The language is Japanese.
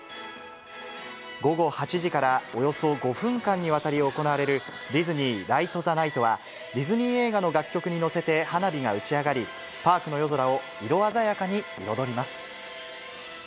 午後８時からおよそ５分間にわたり行われるディズニー・ライト・ザ・ナイトは、ディズニー映画の楽曲に乗せて花火が打ち上がり、パークの夜空を色鮮やかに彩ります。